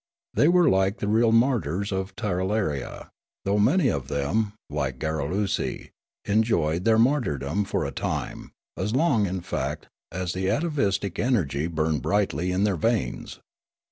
They were the real martyrs of Tirralaria, though many of them, like Garrulesi, enjoj'ed their martyrdom for a time, as long, in fact, as the atavistic energy burned brightly in their veins.